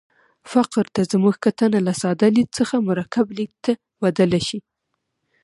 فقر ته زموږ کتنه له ساده لید څخه مرکب لید ته بدله شي.